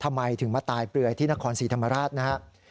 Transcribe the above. ทำไมถึงมาตายเปลือยที่นครศรีธรรมราชนะครับ